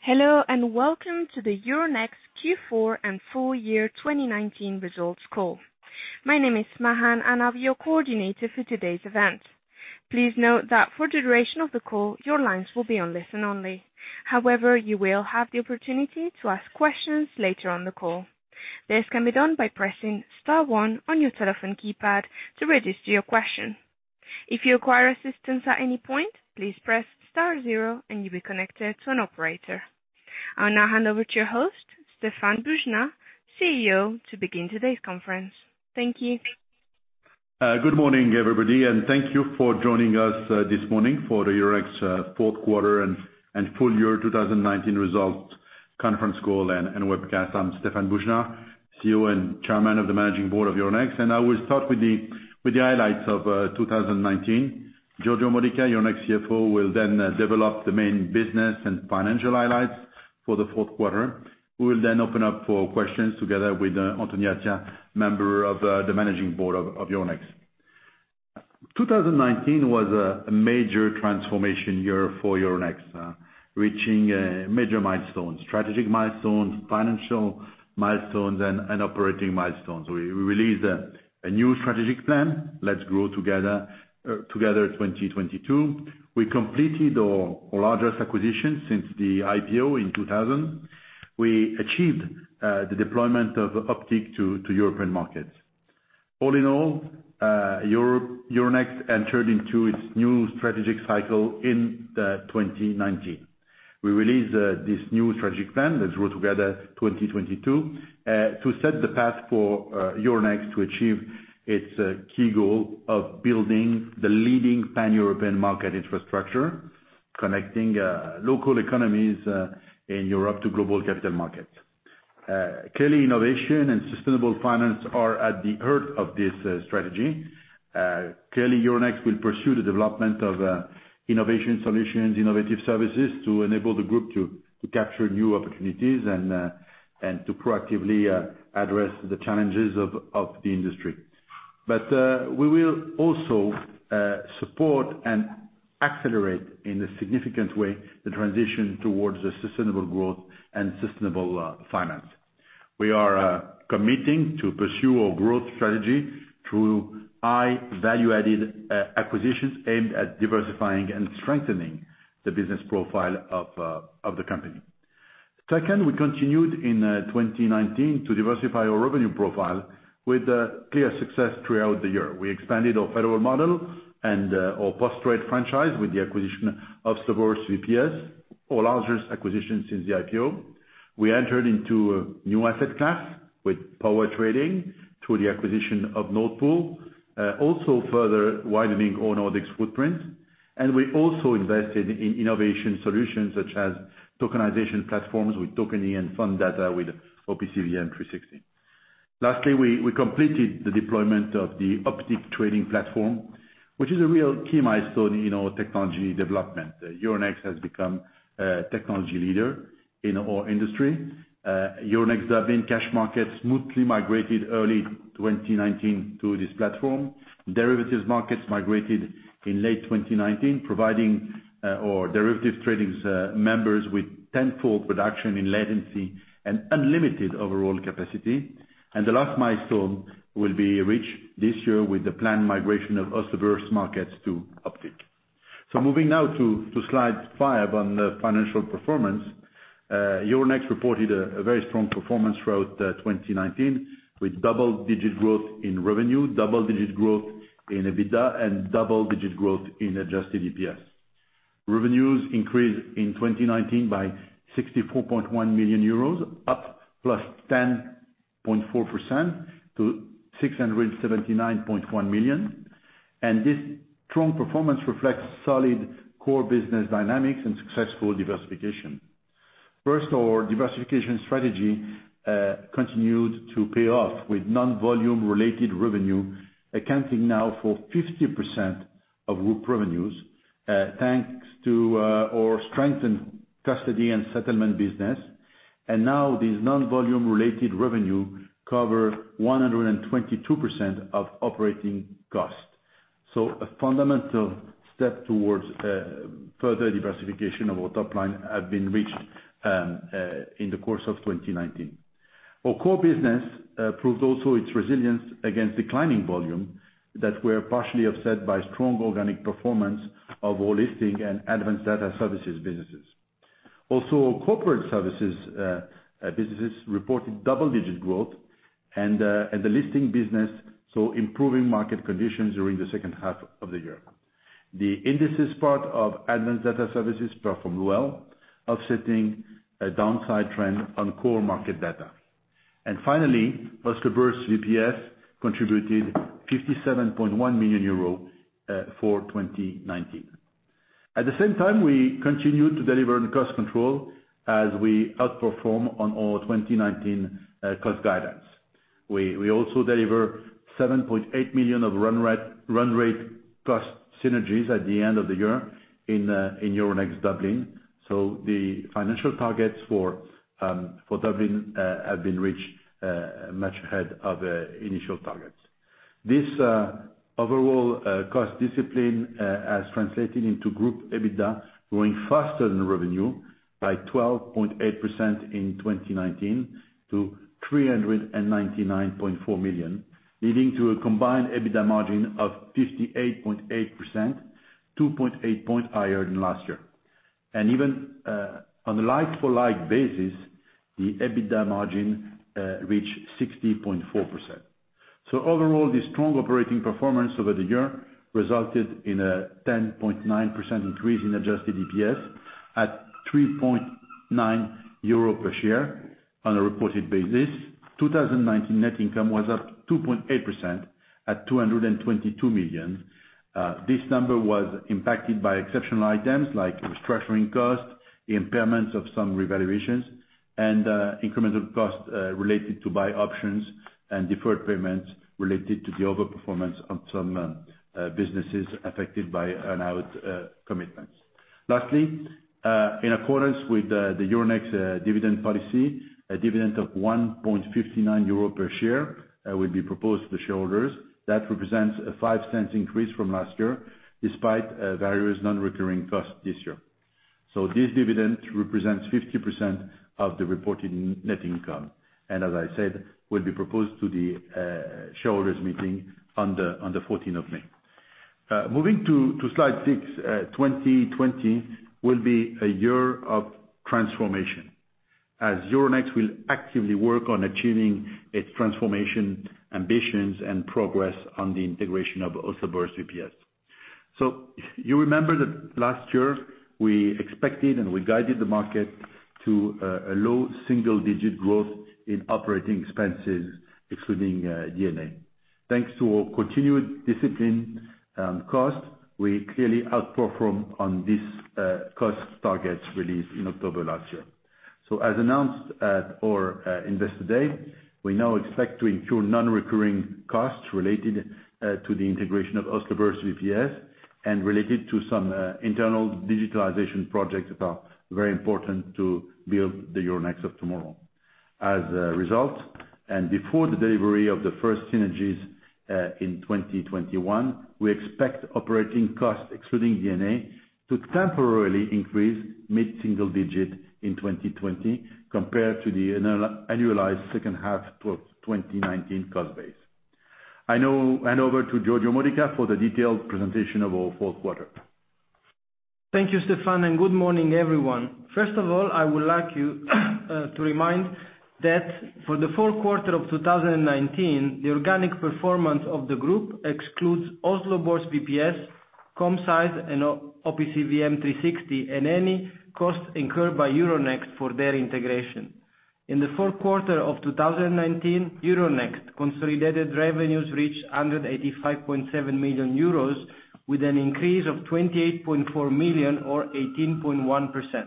Hello, welcome to the Euronext Q4 and full year 2019 results call. My name is Mahan, and I'll be your coordinator for today's event. Please note that for the duration of the call, your lines will be on listen-only. However, you will have the opportunity to ask questions later on the call. This can be done by pressing star one on your telephone keypad to register your question. If you require assistance at any point, please press star zero and you'll be connected to an operator. I'll now hand over to your host, Stéphane Boujnah, CEO, to begin today's conference. Thank you. Good morning, everybody, and thank you for joining us this morning for the Euronext fourth quarter and full year 2019 results conference call and webcast. I'm Stéphane Boujnah, CEO and Chairman of the Managing Board of Euronext, and I will start with the highlights of 2019. Giorgio Modica, Euronext CFO, will then develop the main business and financial highlights for the fourth quarter. We will then open up for questions together with Anthony Attia, Member of the Managing Board of Euronext. 2019 was a major transformation year for Euronext, reaching major milestones, strategic milestones, financial milestones, and operating milestones. We released a new strategic plan, Let's Grow Together 2022. We completed our largest acquisition since the IPO in 2000. We achieved the deployment of Optiq to European markets. All in all, Euronext entered into its new strategic cycle in 2019. We released this new strategic plan, Let's Grow Together 2022, to set the path for Euronext to achieve its key goal of building the leading pan-European market infrastructure, connecting local economies in Europe to global capital markets. Clearly, innovation and sustainable finance are at the heart of this strategy. Clearly, Euronext will pursue the development of innovation solutions, innovative services to enable the group to capture new opportunities and to proactively address the challenges of the industry. We will also support and accelerate, in a significant way, the transition towards the sustainable growth and sustainable finance. We are committing to pursue our growth strategy through high value-added acquisitions aimed at diversifying and strengthening the business profile of the company. Second, we continued in 2019 to diversify our revenue profile with clear success throughout the year. We expanded our federal model and our post-trade franchise with the acquisition of Oslo Børs VPS, our largest acquisition since the IPO. We entered into a new asset class with power trading through the acquisition of Nord Pool, also further widening our Nordics footprint. We also invested in innovation solutions such as tokenization platforms with Tokeny and FundData with OPCVM360. Lastly, we completed the deployment of the Optiq trading platform, which is a real key milestone in our technology development. Euronext has become a technology leader in our industry. Euronext Dublin cash market smoothly migrated early 2019 to this platform. Derivatives markets migrated in late 2019, providing our derivative tradings members with 10-fold reduction in latency and unlimited overall capacity. The last milestone will be reached this year with the planned migration of Oslo Børs markets to Optiq. Moving now to slide five on the financial performance. Euronext reported a very strong performance throughout 2019, with double-digit growth in revenue, double-digit growth in EBITDA, and double-digit growth in adjusted EPS. Revenues increased in 2019 by 64.1 million euros, up +10.4% to 679.1 million. This strong performance reflects solid core business dynamics and successful diversification. First, our diversification strategy continued to pay off with non-volume related revenue accounting now for 50% of group revenues, thanks to our strengthened custody and settlement business. Now this non-volume related revenue covers 122% of operating costs. A fundamental step towards further diversification of our top line has been reached in the course of 2019. Our core business proved also its resilience against declining volume that were partially offset by strong organic performance of our listing and advanced data services businesses. Corporate services businesses reported double-digit growth and the listing business saw improving market conditions during the second half of the year. The indices part of advanced data services performed well, offsetting a downside trend on core market data. Finally, Oslo Børs VPS contributed 57.1 million euro for 2019. At the same time, we continued to deliver on cost control as we outperformed on our 2019 cost guidance. We also deliver 7.8 million of run rate cost synergies at the end of the year in Euronext Dublin. The financial targets for Dublin have been reached much ahead of initial targets. This overall cost discipline has translated into group EBITDA growing faster than revenue by 12.8% in 2019 to 399.4 million, leading to a combined EBITDA margin of 58.8%, 2.8 points higher than last year. Even on a like-for-like basis, the EBITDA margin reached 60.4%. Overall, the strong operating performance over the year resulted in a 10.9% increase in adjusted EPS at 3.9 euro per share on a reported basis. 2019 net income was up 2.8% at 222 million. This number was impacted by exceptional items like restructuring costs, the impairments of some revaluations, and incremental costs related to buy options and deferred payments related to the over-performance of some businesses affected by announced commitments. Lastly, in accordance with the Euronext dividend policy, a dividend of 1.59 euro per share will be proposed to shareholders. That represents a 0.05 increase from last year, despite various non-recurring costs this year. This dividend represents 50% of the reported net income, and as I said, will be proposed to the shareholders meeting on the May 14th. Moving to slide six, 2020 will be a year of transformation as Euronext will actively work on achieving its transformation ambitions and progress on the integration of Oslo Børs VPS. You remember that last year, we expected and we guided the market to a low single-digit growth in operating expenses, excluding D&A. Thanks to our continued discipline cost, we clearly outperformed on this cost target release in October last year. As announced at our Investor Day, we now expect to incur non-recurring costs related to the integration of Oslo Børs VPS and related to some internal digitalization projects that are very important to build the Euronext of tomorrow. As a result, and before the delivery of the first synergies, in 2021, we expect operating costs, excluding D&A, to temporarily increase mid-single digit in 2020 compared to the annualized second half of 2019 cost base. I hand over to Giorgio Modica for the detailed presentation of our fourth quarter. Thank you, Stéphane, and good morning, everyone. First of all, I would like you to remind that for the fourth quarter of 2019, the organic performance of the group excludes Oslo Børs VPS, Commcise, and OPCVM360, and any costs incurred by Euronext for their integration. In the fourth quarter of 2019, Euronext consolidated revenues reached 185.7 million euros with an increase of 28.4 million or 18.1%.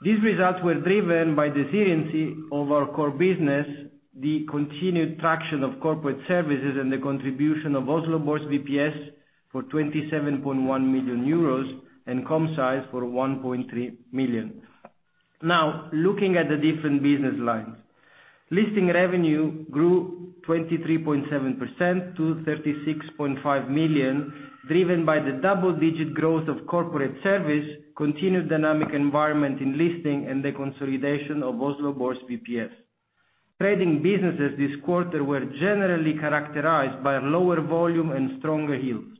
These results were driven by the resiliency of our core business, the continued traction of corporate services, and the contribution of Oslo Børs VPS for 27.1 million euros and Commcise for 1.3 million. Now, looking at the different business lines. Listing revenue grew 23.7% to 36.5 million, driven by the double-digit growth of corporate service, continued dynamic environment in listing, and the consolidation of Oslo Børs VPS. Trading businesses this quarter were generally characterized by lower volume and stronger yields.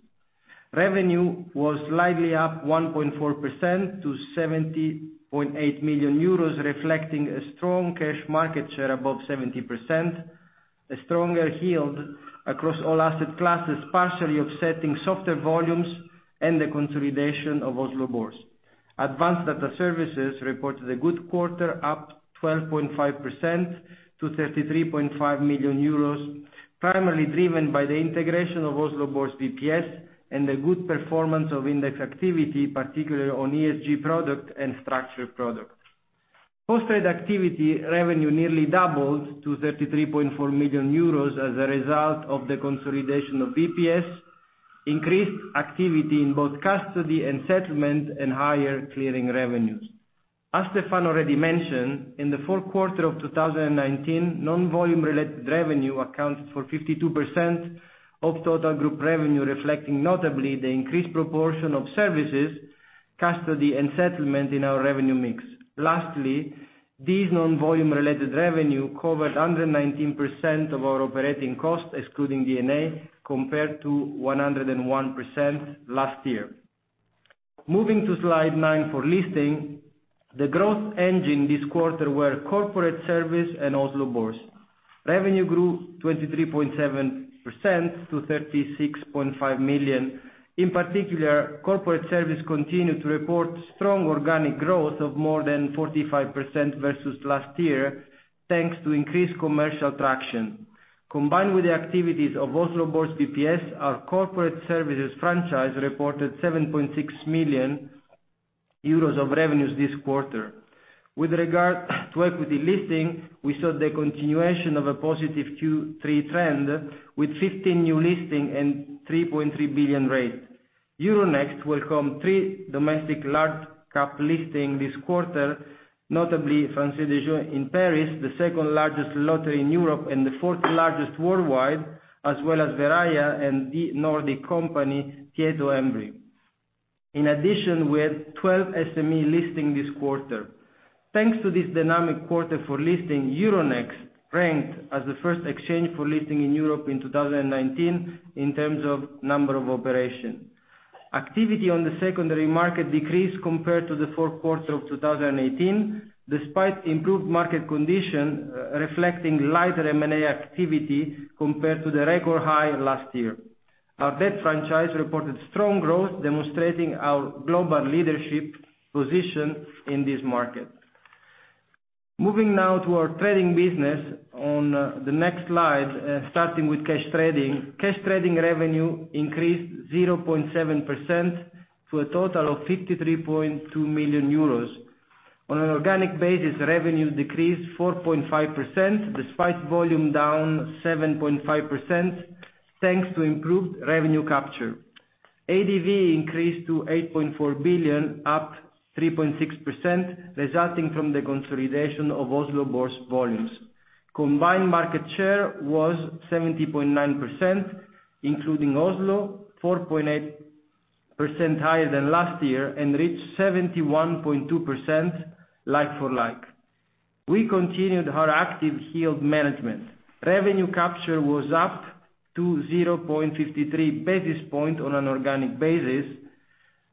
Revenue was slightly up 1.4% to 70.8 million euros, reflecting a strong cash market share above 70%, a stronger yield across all asset classes, partially offsetting softer volumes and the consolidation of Oslo Børs. Advanced data services reported a good quarter up 12.5% to 33.5 million euros, primarily driven by the integration of Oslo Børs VPS and the good performance of index activity, particularly on ESG product and structured products. Post Trade Activity revenue nearly doubled to 33.4 million euros as a result of the consolidation of VPS, increased activity in both custody and settlement, and higher clearing revenues. As Stéphane already mentioned, in the fourth quarter of 2019, non-volume related revenue accounted for 52% of total group revenue, reflecting notably the increased proportion of services, custody, and settlement in our revenue mix. Lastly, these non-volume related revenue covered 119% of our operating costs, excluding D&A, compared to 101% last year. Moving to slide nine for listings. The growth engine this quarter were corporate services and Oslo Børs. Revenue grew 23.7% to 36.5 million. In particular, corporate services continued to report strong organic growth of more than 45% versus last year, thanks to increased commercial traction. Combined with the activities of Oslo Børs VPS, our corporate services franchise reported 7.6 million euros of revenues this quarter. With regard to equity listings, we saw the continuation of a positive Q3 trend with 15 new listings and 3.3 billion rate. Euronext welcomed three domestic large cap listings this quarter, notably Française des Jeux in Paris, the second largest lottery in Europe and the fourth largest worldwide, as well as Verallia and the Nordic company, Tietoevry. In addition, we had 12 SME listings this quarter. Thanks to this dynamic quarter for listing, Euronext ranked as the first exchange for listing in Europe in 2019 in terms of number of operation. Activity on the secondary market decreased compared to the fourth quarter of 2018, despite improved market condition reflecting lighter M&A activity compared to the record high last year. Our debt franchise reported strong growth, demonstrating our global leadership position in this market. Moving now to our trading business on the next slide, starting with cash trading. Cash trading revenue increased 0.7% to a total of 53.2 million euros. On an organic basis, revenue decreased 4.5%, despite volume down 7.5%, thanks to improved revenue capture. ADV increased to 8.4 billion, up 3.6%, resulting from the consolidation of Oslo Børs volumes. Combined market share was 70.9%, including Oslo, 4.8% higher than last year, and reached 71.2% like for like. We continued our active yield management. Revenue capture was up to 0.53 basis point on an organic basis.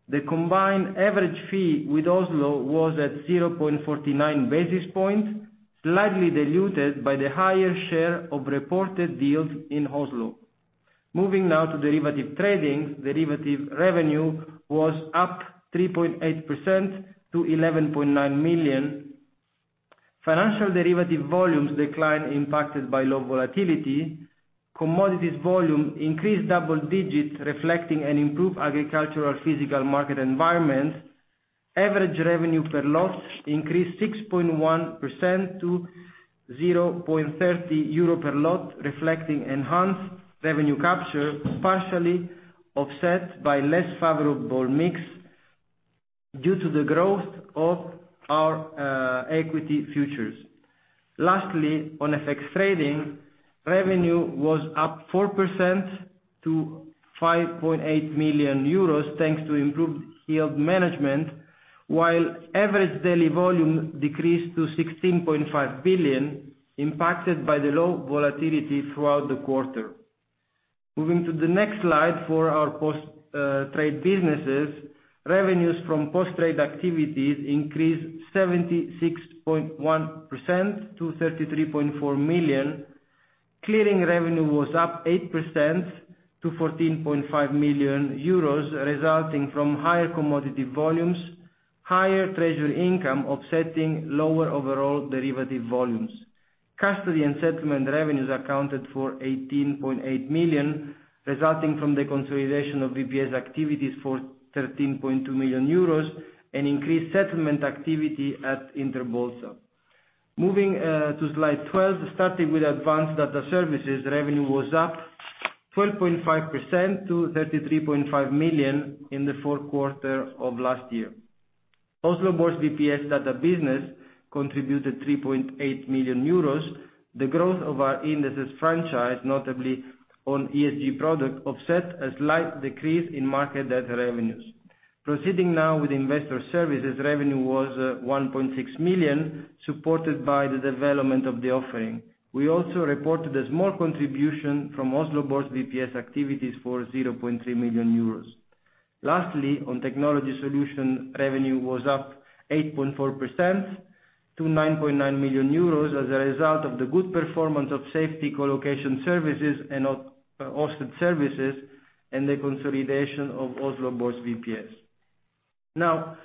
The combined average fee with Oslo was at 0.49 basis point, slightly diluted by the higher share of reported deals in Oslo. Moving now to derivative trading. Derivative revenue was up 3.8% to 11.9 million. Financial derivative volumes declined impacted by low volatility. Commodities volume increased double digits reflecting an improved agricultural physical market environment. Average revenue per lot increased 6.1% to 0.30 euro per lot, reflecting enhanced revenue capture, partially offset by less favorable mix due to the growth of our equity futures. Lastly, on FX trading, revenue was up 4% to 5.8 million euros thanks to improved yield management, while average daily volume decreased to 16.5 billion, impacted by the low volatility throughout the quarter. Moving to the next slide for our post-trade businesses. Revenues from post-trade activities increased 76.1% to 33.4 million. Clearing revenue was up 8% to 14.5 million euros, resulting from higher commodity volumes, higher treasury income offsetting lower overall derivative volumes. Custody and settlement revenues accounted for 18.8 million, resulting from the consolidation of VPS activities for 13.2 million euros and increased settlement activity at Interbolsa. Moving to slide 12, starting with advanced data services, revenue was up 12.5% to 33.5 million in the fourth quarter of last year. Oslo Børs VPS data business contributed 3.8 million euros. The growth of our indices franchise, notably on ESG product, offset a slight decrease in market data revenues. Proceeding now with investor services, revenue was 1.6 million, supported by the development of the offering. We also reported a small contribution from Oslo Børs VPS activities for 0.3 million euros. Lastly, on technology solution, revenue was up 8.4% to 9.9 million euros as a result of the good performance of security colocation services and hosted services and the consolidation of Oslo Børs VPS. Now,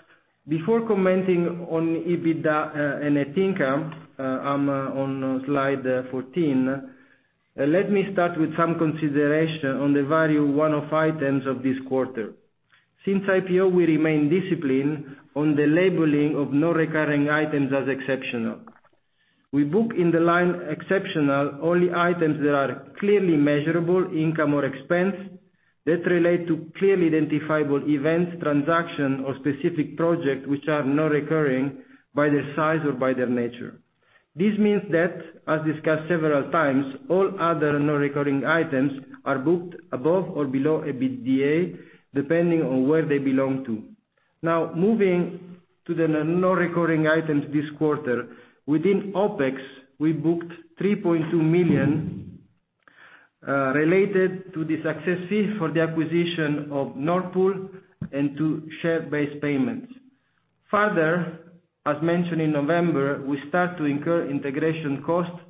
before commenting on EBITDA, net income, on slide 14, let me start with some consideration on the valuation one-off items of this quarter. Since IPO, we remain disciplined on the labeling of non-recurring items as exceptional. We book in the line exceptional only items that are clearly measurable income or expense that relate to clearly identifiable events, transaction, or specific project, which are non-recurring by their size or by their nature. This means that, as discussed several times, all other non-recurring items are booked above or below EBITDA, depending on where they belong to. Now, moving to the non-recurring items this quarter, within OpEx, we booked 3.2 million, related to the success fee for the acquisition of Nord Pool and to share-based payments. As mentioned in November, we start to incur integration costs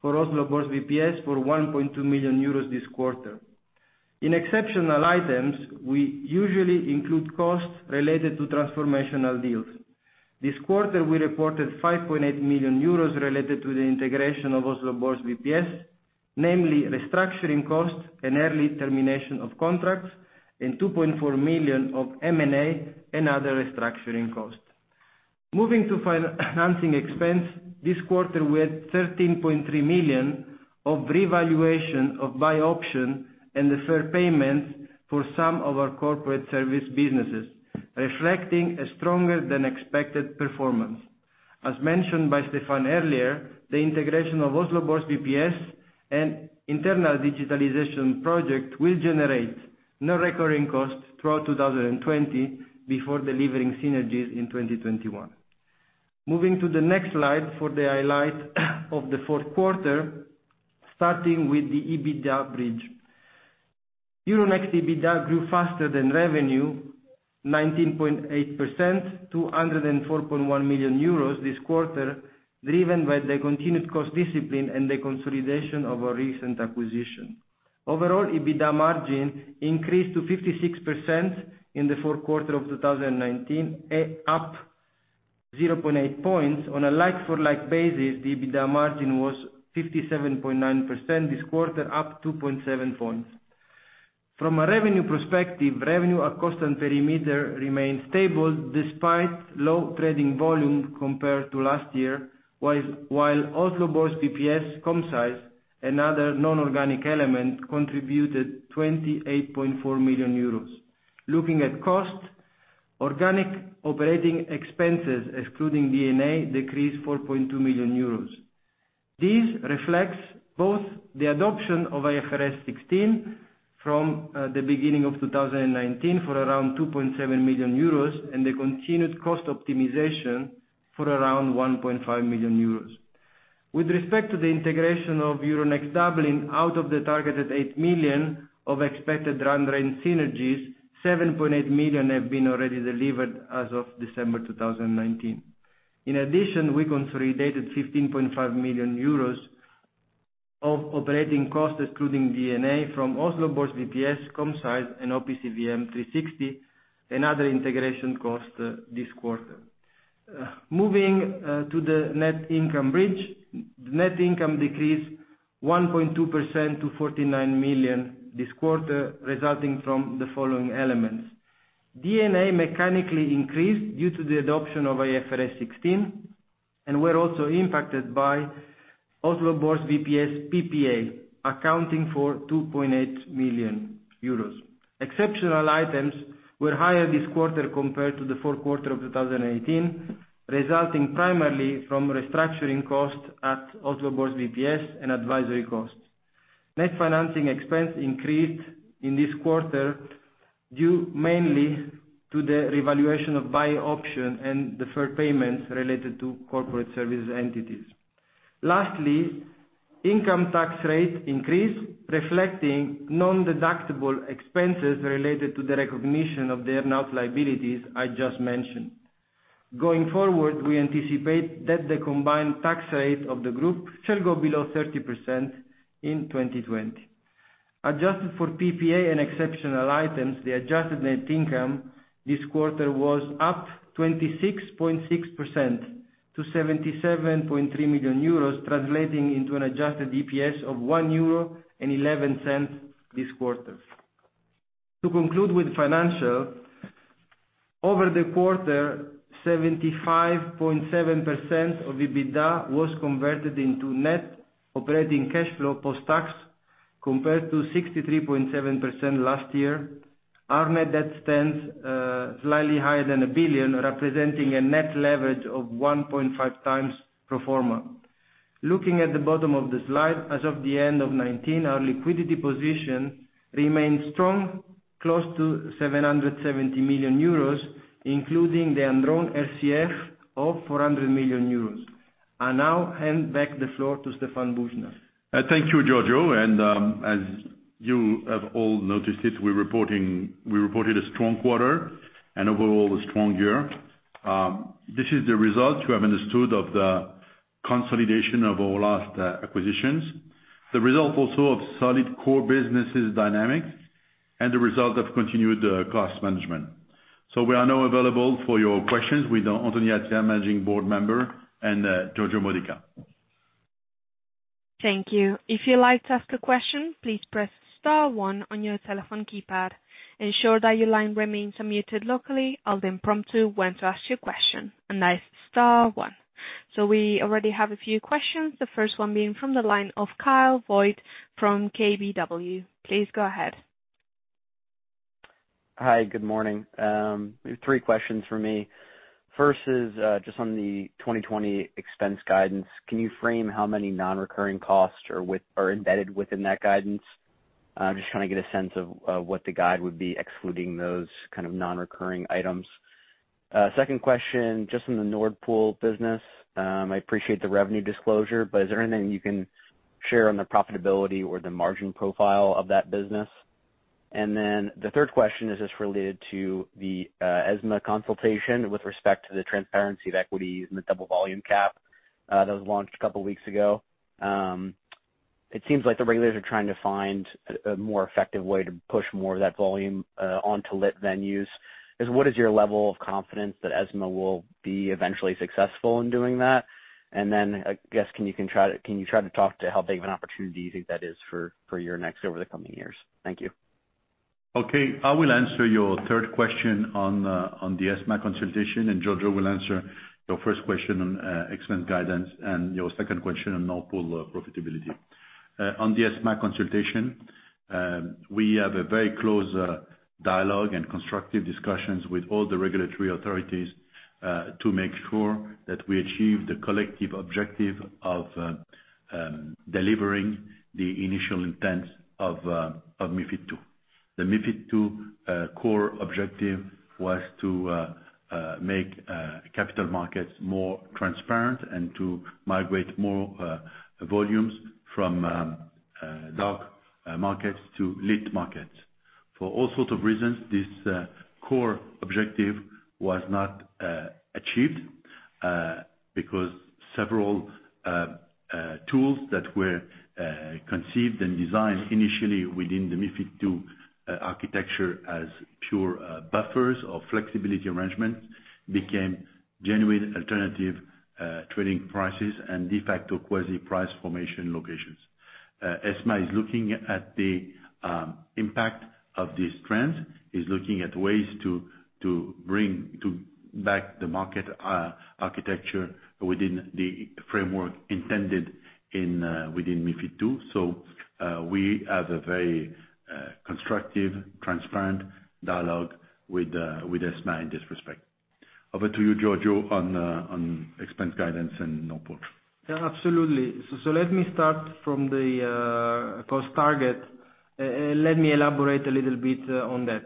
for Oslo Børs VPS for 1.2 million euros this quarter. In exceptional items, we usually include costs related to transformational deals. This quarter, we reported 5.8 million euros related to the integration of Oslo Børs VPS, namely restructuring costs and early termination of contracts, and 2.4 million of M&A and other restructuring costs. Moving to financing expense, this quarter we had 13.3 million of revaluation of buy option and deferred payments for some of our corporate service businesses, reflecting a stronger than expected performance. As mentioned by Stéphane earlier, the integration of Oslo Børs VPS and internal digitalization project will generate no recurring costs throughout 2020, before delivering synergies in 2021. Moving to the next slide for the highlight of the fourth quarter, starting with the EBITDA bridge. Euronext EBITDA grew faster than revenue, 19.8% to 104.1 million euros this quarter, driven by the continued cost discipline and the consolidation of our recent acquisition. Overall, EBITDA margin increased to 56% in the fourth quarter of 2019, up 0.8 points. On a like-for-like basis, the EBITDA margin was 57.9% this quarter, up 2.7 points. From a revenue perspective, revenue at constant perimeter remained stable despite low trading volume compared to last year, while Oslo Børs VPS Commcise, another non-organic element, contributed 28.4 million euros. Looking at cost, organic operating expenses, excluding D&A, decreased 4.2 million euros. This reflects both the adoption of IFRS 16 from the beginning of 2019 for around 2.7 million euros and the continued cost optimization for around 1.5 million euros. With respect to the integration of Euronext Dublin, out of the targeted 8 million of expected run rate synergies, 7.8 million have been already delivered as of December 2019. We consolidated 15.5 million euros of operating costs, excluding D&A, from Oslo Børs VPS, Commcise, and OPCVM360, another integration cost this quarter. Moving to the net income bridge. Net income decreased 1.2% to 49 million this quarter, resulting from the following elements. D&A mechanically increased due to the adoption of IFRS 16, and were also impacted by Oslo Børs VPS PPA, accounting for 2.8 million euros. Exceptional items were higher this quarter compared to the fourth quarter of 2018, resulting primarily from restructuring costs at Oslo Børs VPS and advisory costs. Net financing expense increased in this quarter due mainly to the revaluation of buy option and deferred payments related to corporate service entities. Lastly, income tax rate increased, reflecting non-deductible expenses related to the recognition of the earn-out liabilities I just mentioned. Going forward, we anticipate that the combined tax rate of the group shall go below 30% in 2020. Adjusted for PPA and exceptional items, the adjusted net income this quarter was up 26.6% to 77.3 million euros, translating into an adjusted EPS of 1.11 euro this quarter. To conclude with financial, over the quarter, 75.7% of EBITDA was converted into net operating cash flow post-tax, compared to 63.7% last year. Our net debt stands slightly higher than 1 billion, representing a net leverage of 1.5x pro forma. Looking at the bottom of the slide, as of the end of 2019, our liquidity position remains strong, close to 770 million euros, including the undrawn RCF of 400 million euros. I now hand back the floor to Stéphane Boujnah. Thank you, Giorgio. As you have all noticed it, we reported a strong quarter and overall a strong year. This is the result, you have understood, of the consolidation of our last acquisitions. The result also of solid core business' dynamics and the result of continued cost management. We are now available for your questions with Anthony Attia, Managing Board Member, and Giorgio Modica. Thank you. If you'd like to ask a question, please press star one on your telephone keypad. Ensure that your line remains unmuted locally. I'll then prompt you when to ask your question. That is star one. We already have a few questions, the first one being from the line of Kyle Voigt from KBW. Please go ahead. Hi. Good morning. Three questions from me. First is just on the 2020 expense guidance. Can you frame how many non-recurring costs are embedded within that guidance? I'm just trying to get a sense of what the guide would be excluding those kind of non-recurring items. Second question, just on the Nord Pool business. I appreciate the revenue disclosure, is there anything you can share on the profitability or the margin profile of that business? The third question is just related to the ESMA consultation with respect to the transparency of equities and the double volume cap that was launched a couple of weeks ago. It seems like the regulators are trying to find a more effective way to push more of that volume onto lit venues. What is your level of confidence that ESMA will be eventually successful in doing that? I guess, can you try to talk to how big of an opportunity you think that is for Euronext over the coming years? Thank you. Okay. I will answer your third question on the ESMA consultation, and Giorgio will answer your first question on expense guidance and your second question on Nord Pool profitability. On the ESMA consultation, we have a very close dialogue and constructive discussions with all the regulatory authorities to make sure that we achieve the collective objective of delivering the initial intent of MiFID II. The MiFID II core objective was to make capital markets more transparent and to migrate more volumes from dark markets to lit markets. For all sorts of reasons, this core objective was not achieved, because several tools that were conceived and designed initially within the MiFID II architecture as pure buffers of flexibility arrangement became genuine alternative trading prices and de facto quasi price formation locations. ESMA is looking at the impact of these trends, is looking at ways to bring back the market architecture within the framework intended within MiFID II. We have a very constructive, transparent dialogue with ESMA in this respect. Over to you, Giorgio, on expense guidance and Nord Pool. Yeah, absolutely. Let me start from the cost target. Let me elaborate a little bit on that.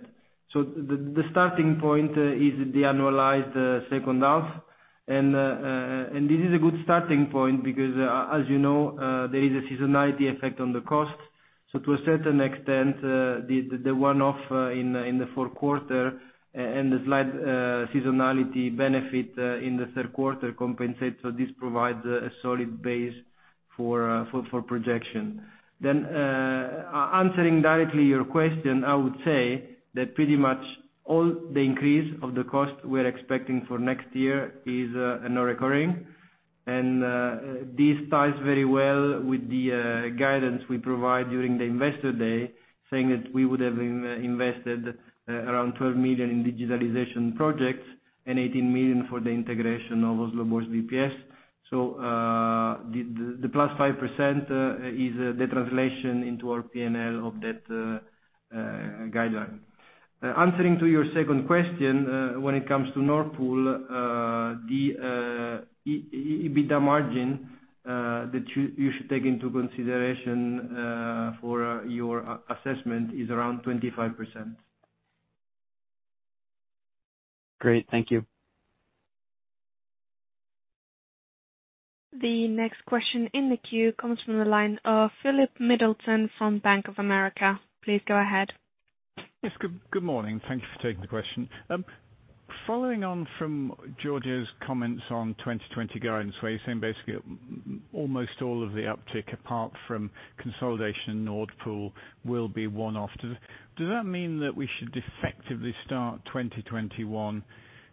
The starting point is the annualized second half. This is a good starting point because, as you know, there is a seasonality effect on the cost. To a certain extent, the one-off in the fourth quarter and the slight seasonality benefit in the third quarter compensate, so this provides a solid base for projection. Answering directly your question, I would say that pretty much all the increase of the cost we're expecting for next year is non-recurring, and this ties very well with the guidance we provide during the investor day, saying that we would have invested around 12 million in digitalization projects and 18 million for the integration of Oslo Børs VPS. The +5% is the translation into our P&L of that guideline. Answering to your second question, when it comes to Nord Pool, the EBITDA margin that you should take into consideration for your assessment is around 25%. Great. Thank you. The next question in the queue comes from the line of Philip Middleton from Bank of America. Please go ahead. Yes. Good morning. Thank you for taking the question. Following on from Giorgio's comments on 2020 guidance, where you're saying basically almost all of the uptick apart from consolidation in Nord Pool will be one-off. Does that mean that we should effectively start 2021,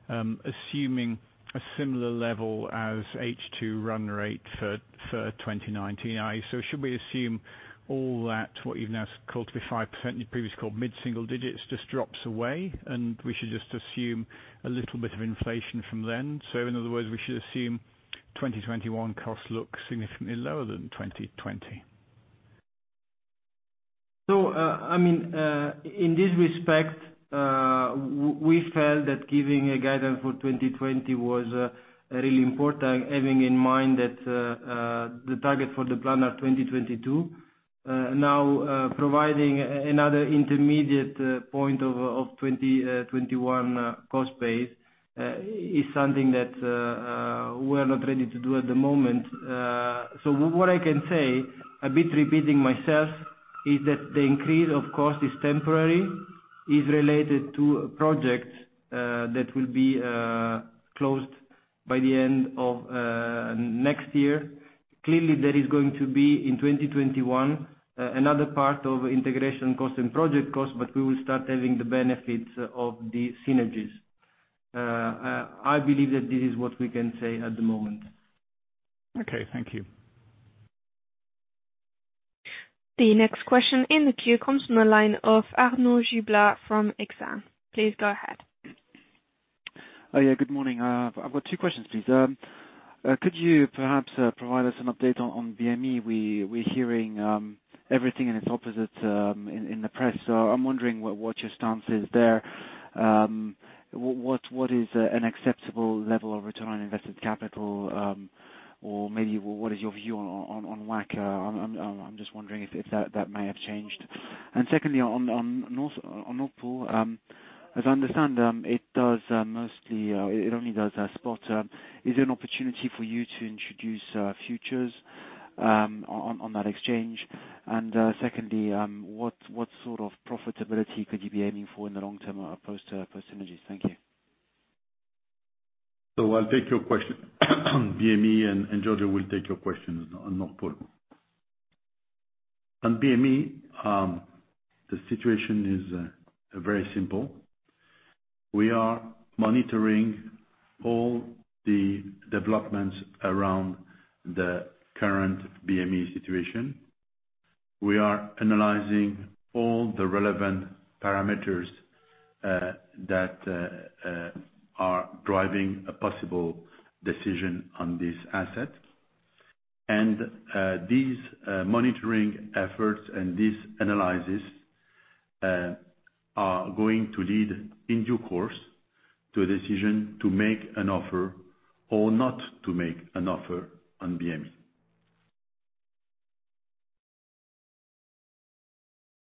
assuming a similar level as H2 run rate for 2019? Should we assume all that, what you've now called to be 5%, you previously called mid-single digits, just drops away, and we should just assume a little bit of inflation from then? In other words, we should assume 2021 costs look significantly lower than 2020. In this respect, we felt that giving a guidance for 2020 was really important, having in mind that the target for the plan are 2022. Providing another intermediate point of 2021 cost base is something that we're not ready to do at the moment. What I can say, a bit repeating myself, is that the increase of cost is temporary, is related to projects that will be closed by the end of next year. There is going to be, in 2021, another part of integration cost and project cost, but we will start having the benefits of the synergies. I believe that this is what we can say at the moment. Okay. Thank you. The next question in the queue comes from the line of Arnaud Giblat from Exane. Please go ahead. Yeah. Good morning. I've got two questions, please. Could you perhaps provide us an update on BME? We're hearing everything and its opposite in the press. I'm wondering what your stance is there. What is an acceptable level of return on invested capital? Maybe what is your view on WACC? I'm just wondering if that may have changed. Secondly, on Nord Pool, as I understand, it only does spot. Is there an opportunity for you to introduce futures on that exchange? Secondly, what sort of profitability could you be aiming for in the long term as opposed to synergies? Thank you. I'll take your question on BME, and Giorgio will take your questions on Nord Pool. BME, the situation is very simple. We are monitoring all the developments around the current BME situation. We are analyzing all the relevant parameters that are driving a possible decision on this asset. These monitoring efforts and these analyses are going to lead, in due course, to a decision to make an offer or not to make an offer on BME.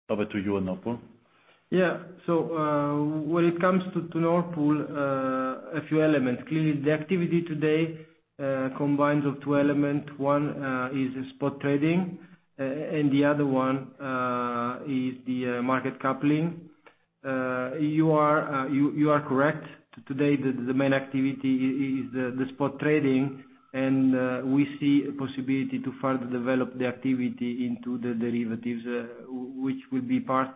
Over to you on Nord Pool. Yeah. When it comes to Nord Pool, a few elements. Clearly, the activity today combines of two element. One is spot trading, and the other one is the market coupling. You are correct. Today, the main activity is the spot trading, and we see a possibility to further develop the activity into the derivatives, which will be part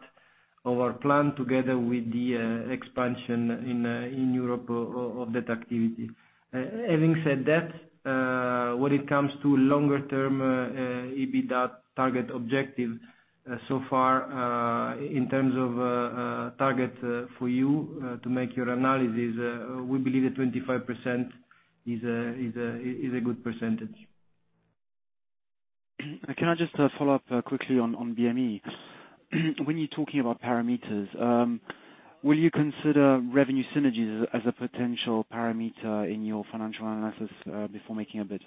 of our plan together with the expansion in Europe of that activity. When it comes to longer term EBITDA target objective, so far, in terms of target for you to make your analysis, we believe that 25% is a good percentage. Can I just follow up quickly on BME? When you are talking about parameters, will you consider revenue synergies as a potential parameter in your financial analysis before making a bid?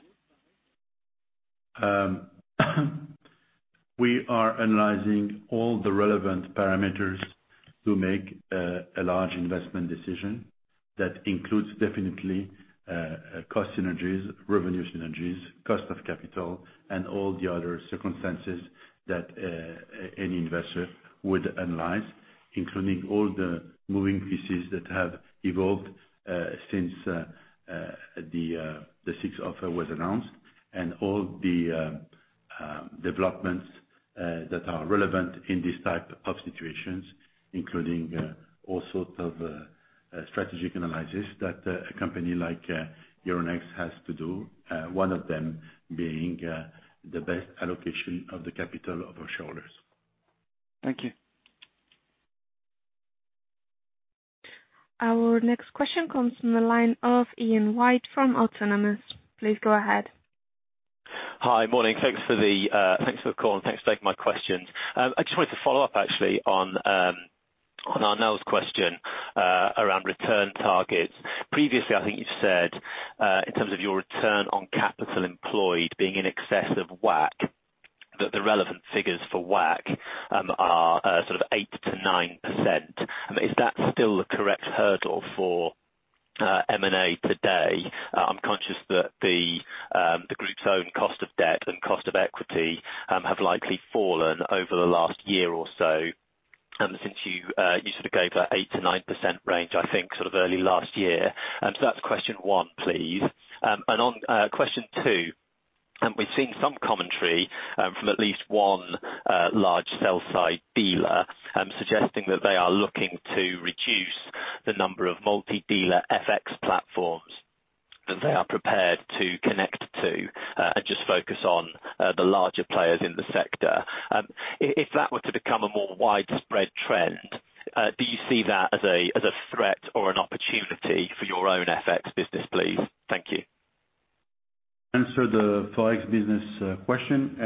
We are analyzing all the relevant parameters to make a large investment decision that includes definitely cost synergies, revenue synergies, cost of capital, and all the other circumstances that any investor would analyze, including all the moving pieces that have evolved since the SIX offer was announced and all the developments that are relevant in this type of situations, including all sorts of strategic analysis that a company like Euronext has to do, one of them being the best allocation of the capital of our shareholders. Thank you. Our next question comes from the line of Ian White from Autonomous. Please go ahead. Hi. Morning. Thanks for the call, and thanks for taking my questions. I just wanted to follow up actually on Arnaud's question around return targets. Previously, I think you've said, in terms of your return on capital employed being in excess of WACC, that the relevant figures for WACC are sort of 8%-9%. Is that still the correct hurdle for M&A today? I'm conscious that the group's own cost of debt and cost of equity have likely fallen over the last year or so, and since you sort of gave that 8%-9% range, I think sort of early last year. That's question one, please. On question two, we've seen some commentary from at least one large sell-side dealer suggesting that they are looking to reduce the number of multi-dealer FX platforms that they are prepared to connect to and just focus on the larger players in the sector. If that were to become a more widespread trend, do you see that as a threat or an opportunity for your own FX business, please? Thank you. Answer the Forex business question.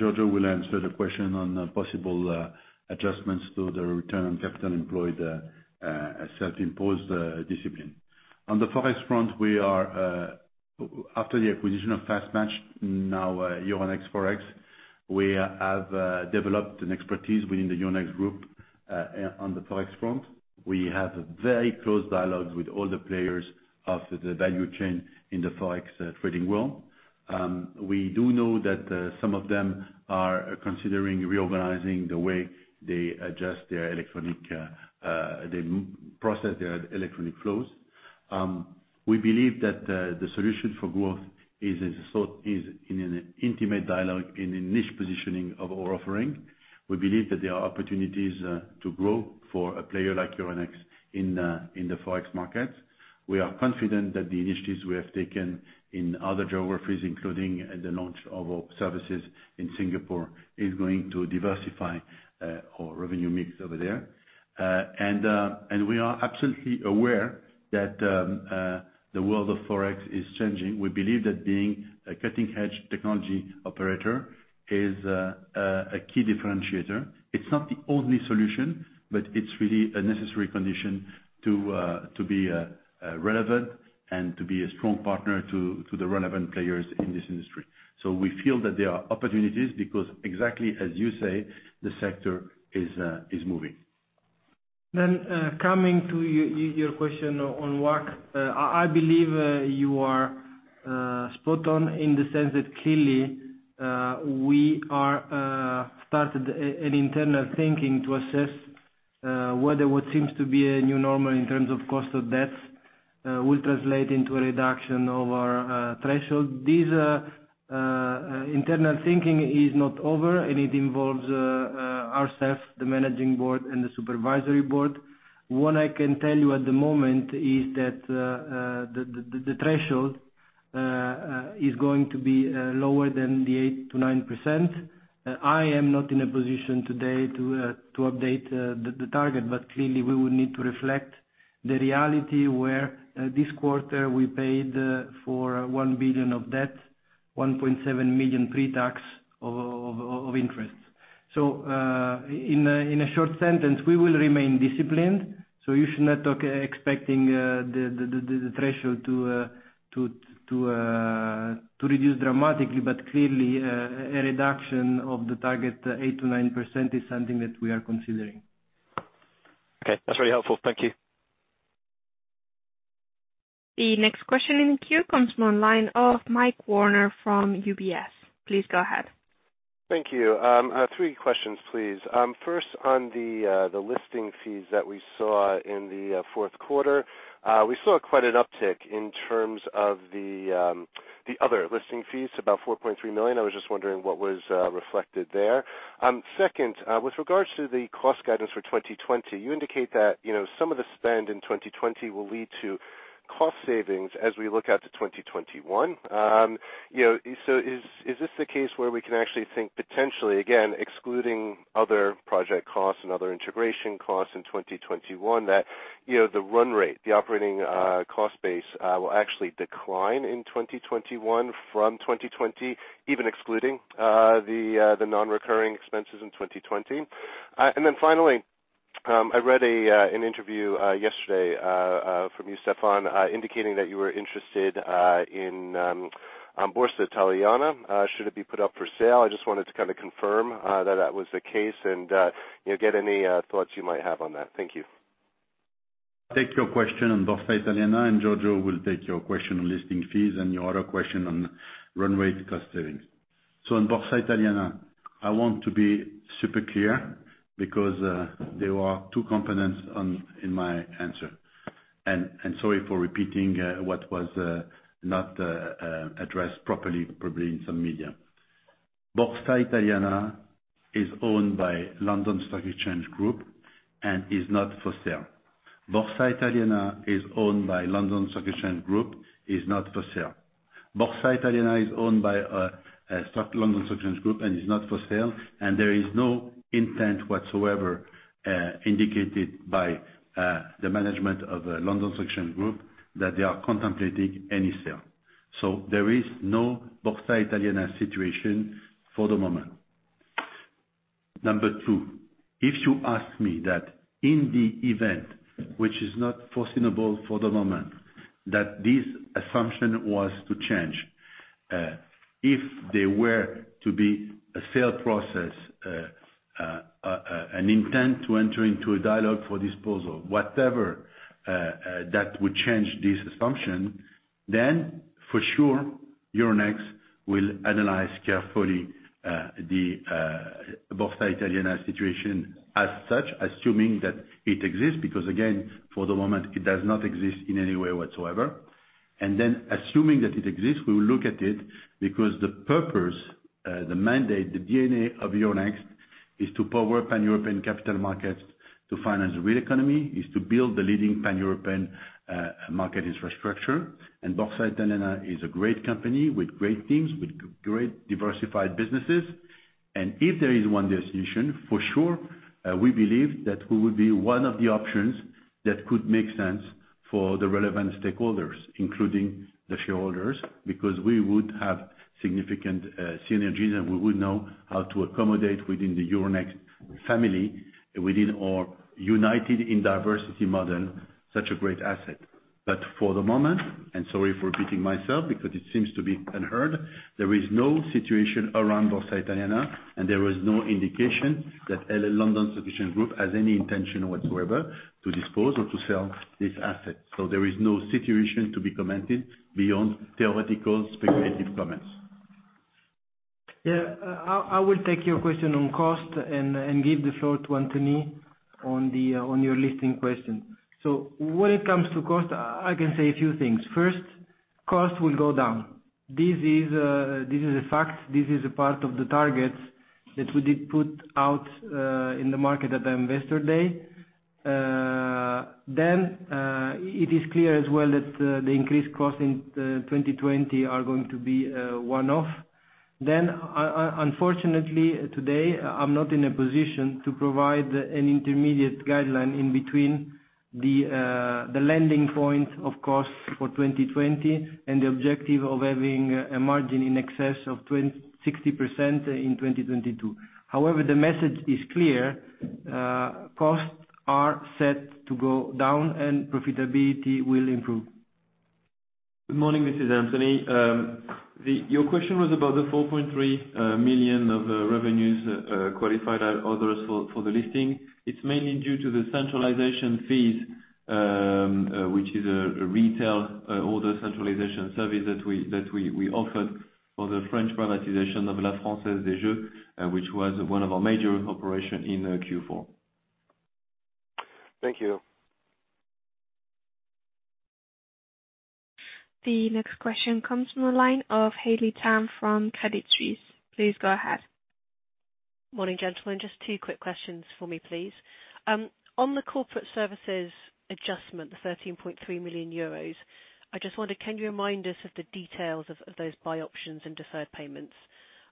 Giorgio will answer the question on possible adjustments to the return on capital employed self-imposed discipline. On the Forex front, after the acquisition of FastMatch, now Euronext FX, we have developed an expertise within the Euronext Group on the Forex front. We have very close dialogues with all the players of the value chain in the Forex trading world. We do know that some of them are considering reorganizing the way they process their electronic flows. We believe that the solution for growth is in an intimate dialogue in a niche positioning of our offering. We believe that there are opportunities to grow for a player like Euronext in the Forex market. We are confident that the initiatives we have taken in other geographies, including the launch of our services in Singapore, is going to diversify our revenue mix over there. We are absolutely aware that the world of Forex is changing. We believe that being a cutting-edge technology operator is a key differentiator. It's not the only solution, but it's really a necessary condition to be relevant and to be a strong partner to the relevant players in this industry. We feel that there are opportunities because, exactly as you say, the sector is moving. Coming to your question on WACC, I believe you are spot on in the sense that clearly we are started an internal thinking to assess whether what seems to be a new normal in terms of cost of debts will translate into a reduction of our threshold. This internal thinking is not over, and it involves ourselves, the managing board, and the supervisory board. What I can tell you at the moment is that the threshold is going to be lower than the 8%-9%. I am not in a position today to update the target, but clearly, we will need to reflect the reality where this quarter we paid for 1 billion of debt, 1.7 million pre-tax of interest. In a short sentence, we will remain disciplined, so you should not expecting the threshold to reduce dramatically, but clearly, a reduction of the target to 8% to 9% is something that we are considering. Okay. That's very helpful. Thank you. The next question in the queue comes from the line of Michael Werner from UBS. Please go ahead. Thank you. Three questions, please. First, on the listing fees that we saw in the fourth quarter, we saw quite an uptick in terms of the other listing fees, about 4.3 million. I was just wondering what was reflected there. Second, with regards to the cost guidance for 2020, you indicate that some of the spend in 2020 will lead to cost savings as we look out to 2021. Is this the case where we can actually think potentially, again, excluding other project costs and other integration costs in 2021, that the run rate, the operating cost base will actually decline in 2021 from 2020, even excluding the non-recurring expenses in 2020? Finally, I read an interview yesterday from you, Stéphane, indicating that you were interested in Borsa Italiana, should it be put up for sale. I just wanted to confirm that that was the case and get any thoughts you might have on that. Thank you. Take your question on Borsa Italiana, and Giorgio will take your question on listing fees and your other question on run rate cost savings. On Borsa Italiana, I want to be super clear because there are two components in my answer. Sorry for repeating what was not addressed properly, probably in some media. Borsa Italiana is owned by London Stock Exchange Group and is not for sale. Borsa Italiana is owned by London Stock Exchange Group, is not for sale. Borsa Italiana is owned by London Stock Exchange Group and is not for sale, and there is no intent whatsoever indicated by the management of London Stock Exchange Group that they are contemplating any sale. There is no Borsa Italiana situation for the moment. Number 2, if you ask me that in the event, which is not foreseeable for the moment, that this assumption was to change, if there were to be a sale process, an intent to enter into a dialogue for disposal, whatever that would change this assumption, then for sure, Euronext will analyze carefully the Borsa Italiana situation as such, assuming that it exists, because again, for the moment, it does not exist in any way whatsoever. Assuming that it exists, we will look at it, because the purpose, the mandate, the DNA of Euronext is to power Pan-European capital markets to finance the real economy, is to build the leading Pan-European market infrastructure. Borsa Italiana is a great company with great teams, with great diversified businesses. If there is one decision, for sure, we believe that we would be one of the options that could make sense for the relevant stakeholders, including the shareholders, because we would have significant synergies, and we would know how to accommodate within the Euronext family, within our united in diversity model, such a great asset. For the moment, and sorry for repeating myself because it seems to be unheard, there is no situation around Borsa Italiana, and there is no indication that London Stock Exchange Group has any intention whatsoever to dispose of or to sell this asset. There is no situation to be commented beyond theoretical, speculative comments. Yeah. I will take your question on cost and give the floor to Anthony on your listing question. When it comes to cost, I can say a few things. First, cost will go down. This is a fact. This is a part of the target that we did put out in the market at the investor day. It is clear as well that the increased costs in 2020 are going to be a one-off. Unfortunately, today, I'm not in a position to provide an intermediate guideline in between the landing point of cost for 2020 and the objective of having a margin in excess of 60% in 2022. However, the message is clear: costs are set to go down and profitability will improve. Good morning. This is Anthony. Your question was about the 4.3 million of revenues qualified as others for the listing. It's mainly due to the centralization fees, which is a retail order centralization service that we offered for the French privatization of La Française des Jeux, which was one of our major operations in Q4. Thank you. The next question comes from the line of Haley Tam from Credit Suisse. Please go ahead. Morning, gentlemen. Just two quick questions for me, please. On the corporate services adjustment, the 13.3 million euros, I just wonder, can you remind us of the details of those buy options and deferred payments?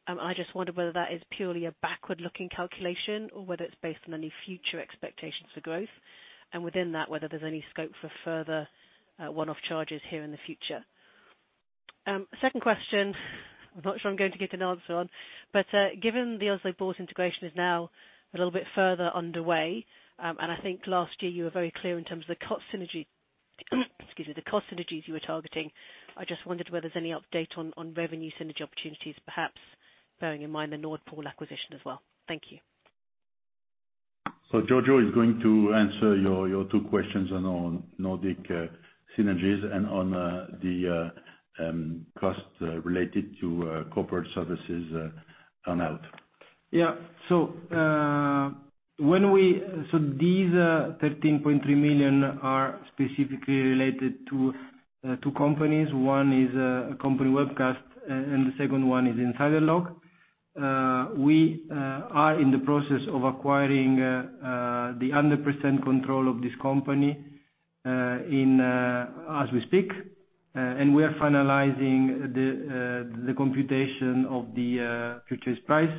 I just wonder whether that is purely a backward-looking calculation or whether it's based on any future expectations for growth, and within that, whether there's any scope for further one-off charges here in the future. Second question. Given the Oslo Børs integration is now a little bit further underway, and I think last year you were very clear in terms of the cost synergies you were targeting. I just wondered whether there's any update on revenue synergy opportunities, perhaps bearing in mind the Nord Pool acquisition as well. Thank you. Giorgio is going to answer your two questions on Nordic synergies and on the cost related to corporate services earn-out. These 13.3 million are specifically related to two companies. One is a company, iBabs, and the second one is InsiderLog. We are in the process of acquiring the 100% control of this company as we speak, and we are finalizing the computation of the purchase price.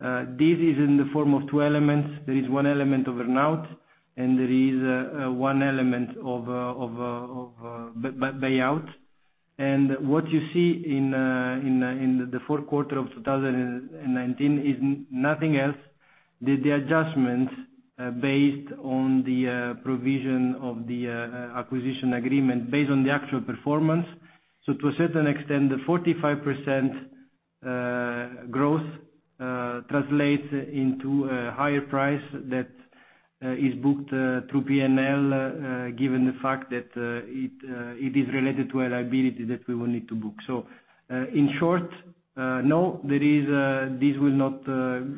This is in the form of two elements. There is one element of earn-out, and there is one element of buyout. What you see in the fourth quarter of 2019 is nothing else than the adjustment based on the provision of the acquisition agreement based on the actual performance. To a certain extent, the 45% growth translates into a higher price that is booked through P&L, given the fact that it is related to a liability that we will need to book. In short, no, this will not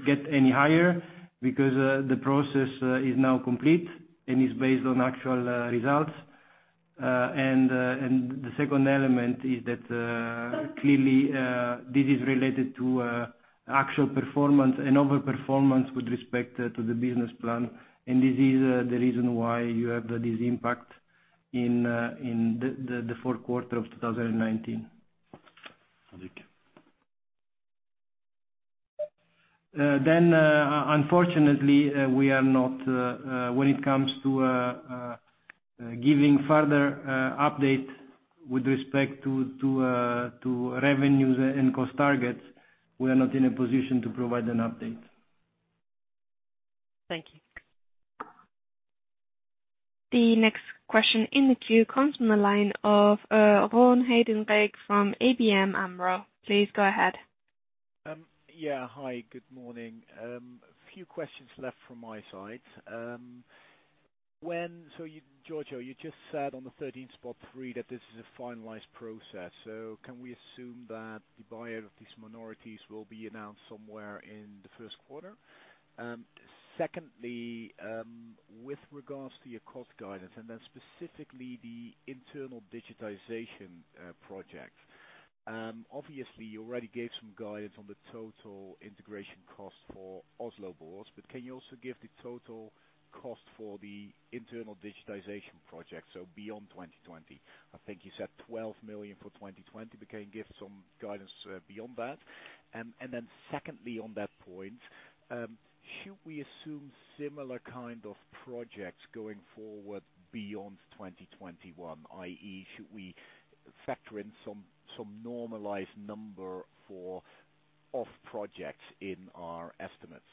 get any higher because the process is now complete and is based on actual results. The second element is that, clearly, this is related to actual performance and overperformance with respect to the business plan, and this is the reason why you have this impact in the fourth quarter of 2019. Thank you. Unfortunately, when it comes to giving further update with respect to revenues and cost targets, we are not in a position to provide an update. Thank you. The next question in the queue comes from the line of Ron Heydenrijk from ABN AMRO. Please go ahead. Hi, good morning. A few questions left from my side. Giorgio, you just said on the 13.3 million that this is a finalized process. Can we assume that the buyout of these minorities will be announced somewhere in the first quarter? Secondly, with regards to your cost guidance, and then specifically the internal digitization project, obviously you already gave some guidance on the total integration cost for Oslo Børs, can you also give the total cost for the internal digitization project, so beyond 2020? I think you said 12 million for 2020, can you give some guidance beyond that? Secondly, on that point, should we assume similar kind of projects going forward beyond 2021, i.e., should we factor in some normalized number for off projects in our estimates?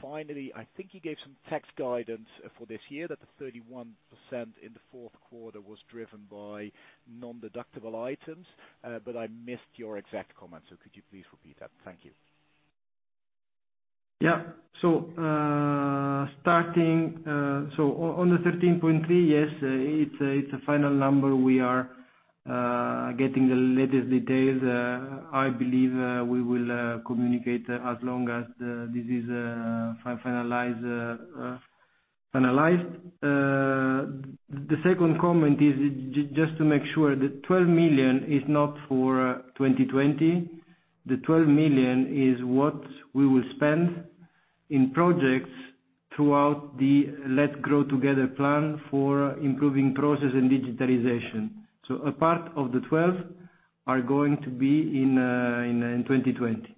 Finally, I think you gave some tax guidance for this year that the 31% in the fourth quarter was driven by non-deductible items, but I missed your exact comment, so could you please repeat that? Thank you. On the 13.3 million, yes, it's a final number. We are getting the latest details. I believe we will communicate as long as this is finalized. The second comment is just to make sure, the 12 million is not for 2020. The 12 million is what we will spend in projects throughout the Let's Grow Together plan for improving process and digitalization. A part of the 12 million are going to be in 2020.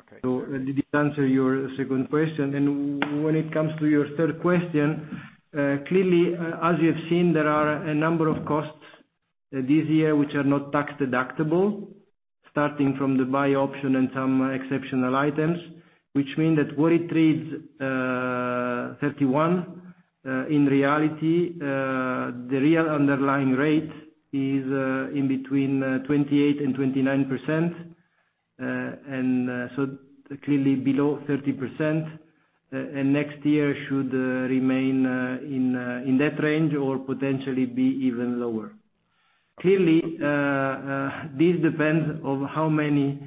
Okay. Did it answer your second question? When it comes to your third question, clearly, as you have seen, there are a number of costs this year which are not tax deductible, starting from the buy option and some exceptional items, which mean that while it reads 31%, in reality, the real underlying rate is in between 28% and 29%. Clearly below 30%, and next year should remain in that range or potentially be even lower. Clearly, this depends on how many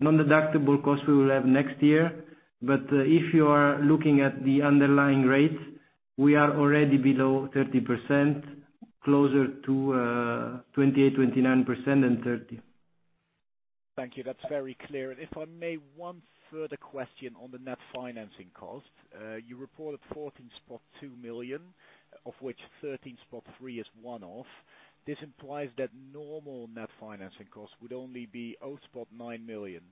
non-deductible costs we will have next year, but if you are looking at the underlying rates, we are already below 30%, closer to 28%, 29% than 30%. Thank you. That's very clear. If I may, one further question on the net financing cost. You reported 14.2 million, of which 13.3 million is one-off. This implies that normal net financing cost would only be 0.9 million,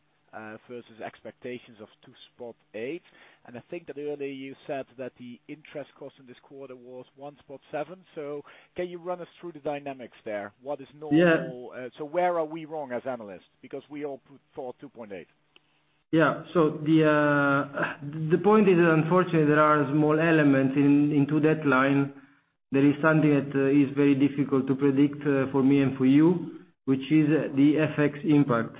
versus expectations of 2.8 million. I think that earlier you said that the interest cost in this quarter was 1.7 million. Can you run us through the dynamics there? What is normal? Yeah. Where are we wrong as analysts? We all put forward 2.8 million. The point is, unfortunately, there are small elements into that line. There is something that is very difficult to predict for me and for you, which is the FX impact.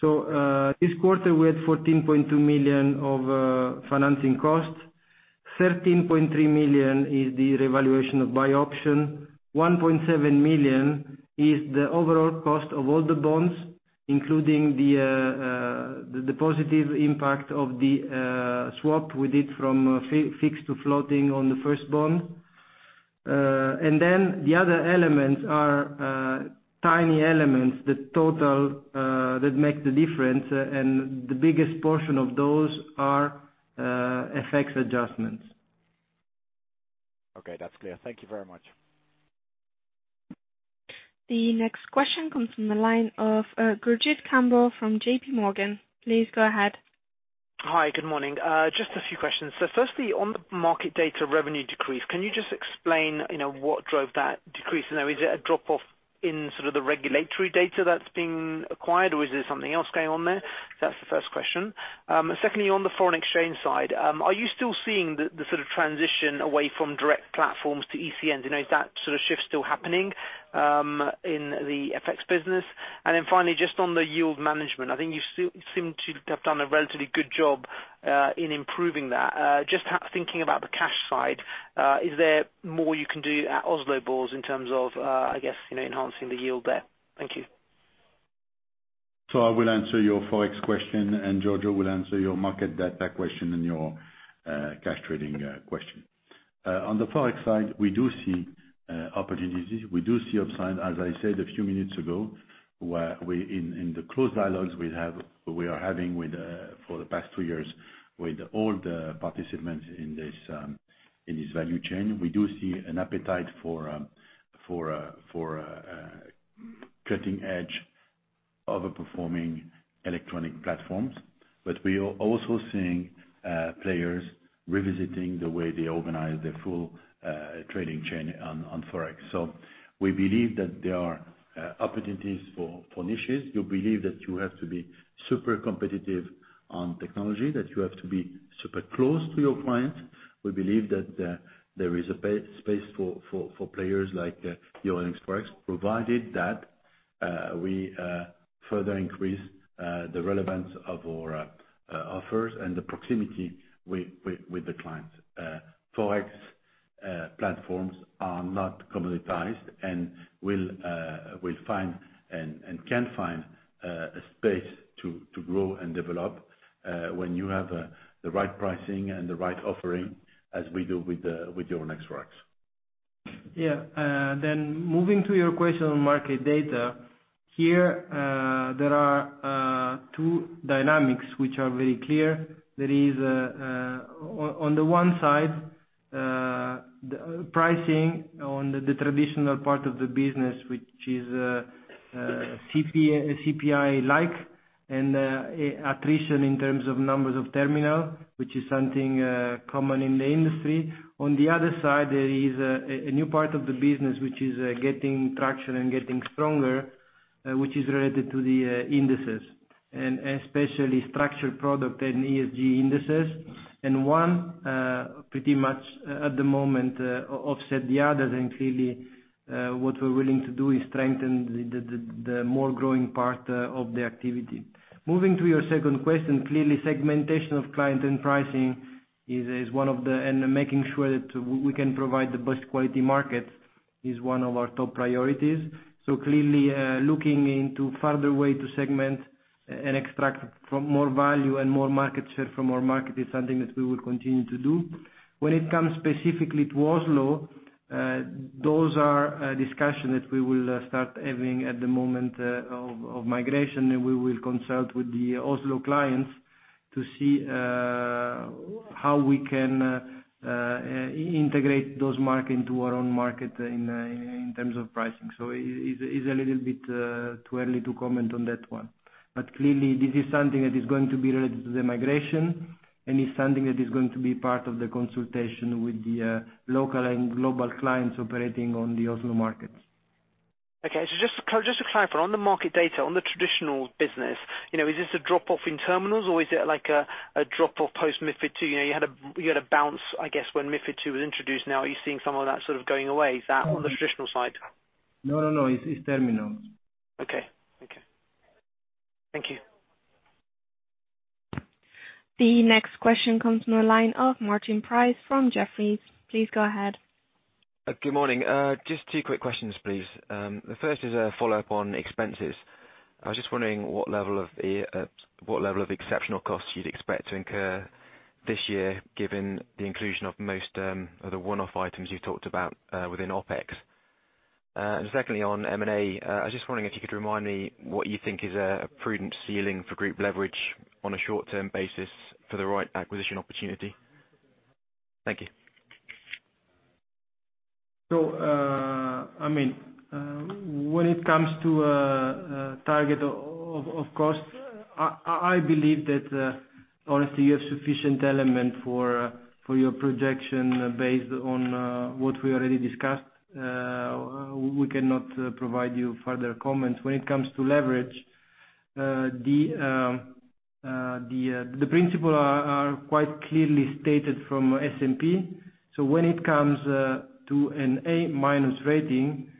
This quarter, we're at 14.2 million of financing cost. 13.3 million is the revaluation of buy option. 1.7 million is the overall cost of all the bonds, including the positive impact of the swap with it from fixed to floating on the first bond. The other elements are tiny elements that make the difference, and the biggest portion of those are FX adjustments. Okay, that's clear. Thank you very much. The next question comes from the line of Gurjit Kambo from JPMorgan. Please go ahead. Hi. Good morning. Just a few questions. Firstly, on the market data revenue decrease, can you just explain what drove that decrease? Is it a drop-off in the regulatory data that's been acquired, or is there something else going on there? That's the first question. Secondly, on the foreign exchange side, are you still seeing the transition away from direct platforms to ECN? Is that shift still happening in the FX business? Finally, just on the yield management, I think you seem to have done a relatively good job in improving that. Just thinking about the cash side, is there more you can do at Oslo Børs in terms of enhancing the yield there? Thank you. I will answer your Forex question, and Giorgio will answer your market data question and your cash trading question. On the Forex side, we do see opportunities. We do see upside, as I said a few minutes ago, where in the close dialogues we are having for the past two years with all the participants in this value chain. We do see an appetite for cutting-edge, over-performing electronic platforms. We are also seeing players revisiting the way they organize their full trading chain on Forex. We believe that there are opportunities for niches. We believe that you have to be super competitive on technology, that you have to be super close to your clients. We believe that there is a space for players like Euronext FX, provided that we further increase the relevance of our offers and the proximity with the clients. Forex platforms are not commoditized and will find, and can find, a space to grow and develop, when you have the right pricing and the right offering, as we do with Euronext FX. Moving to your question on market data. Here, there are two dynamics which are very clear. There is, on the one side, the pricing on the traditional part of the business, which is CPI-like, and attrition in terms of numbers of terminal, which is something common in the industry. On the other side, there is a new part of the business which is getting traction and getting stronger, which is related to the indices, and especially structured product and ESG indices. One, pretty much at the moment, offset the other. Clearly, what we're willing to do is strengthen the more growing part of the activity. Moving to your second question, clearly segmentation of client and pricing, and making sure that we can provide the best quality market is one of our top priorities. Clearly, looking into further way to segment and extract more value and more market share from our market is something that we will continue to do. When it comes specifically to Oslo, those are a discussion that we will start having at the moment of migration, and we will consult with the Oslo clients to see how we can integrate those market into our own market in terms of pricing. It's a little bit too early to comment on that one. Clearly, this is something that is going to be related to the migration, and it's something that is going to be part of the consultation with the local and global clients operating on the Oslo markets. Okay. Just to clarify, on the market data, on the traditional business, is this a drop-off in terminals, or is it like a drop-off post-MiFID II? You had a bounce, I guess, when MiFID II was introduced. Now, are you seeing some of that going away? Is that on the traditional side? No. It's terminals. Okay. Thank you. The next question comes from the line of Martin Price from Jefferies. Please go ahead. Good morning. Just two quick questions, please. The first is a follow-up on expenses. I was just wondering what level of exceptional costs you'd expect to incur this year, given the inclusion of most of the one-off items you talked about within OpEx. Secondly, on M&A, I was just wondering if you could remind me what you think is a prudent ceiling for group leverage on a short-term basis for the right acquisition opportunity. Thank you. When it comes to target of cost, I believe that, honestly, you have sufficient element for your projection based on what we already discussed. We cannot provide you further comments. When it comes to leverage, the principle are quite clearly stated from S&P. When it comes to an A- rating,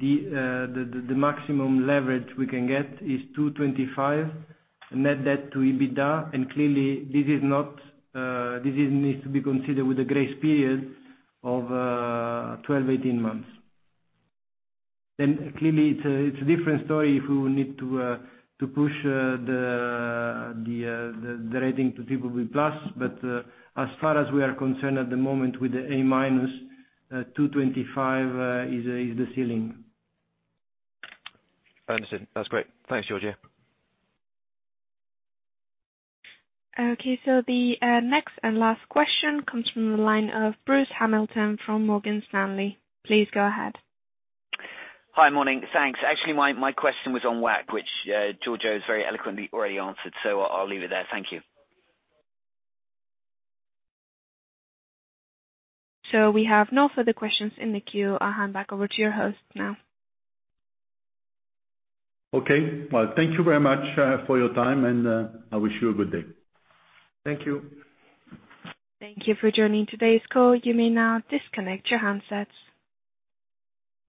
the maximum leverage we can get is 2.25x net debt to EBITDA, and clearly this needs to be considered with a grace period of 12, 18 months. Clearly, it's a different story if we need to push the rating to BBB+, but as far as we are concerned at the moment with the A-, 2.25 is the ceiling. Understood. That's great. Thanks, Giorgio. Okay, the next and last question comes from the line of Bruce Hamilton from Morgan Stanley. Please go ahead. Hi. Morning. Thanks. Actually, my question was on WACC, which Giorgio has very eloquently already answered. I'll leave it there. Thank you. We have no further questions in the queue. I'll hand back over to your host now. Okay. Well, thank you very much for your time, and I wish you a good day. Thank you. Thank you for joining today's call. You may now disconnect your handsets.